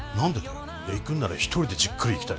いや行くんなら一人でじっくり行きたい。